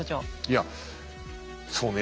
いやそうね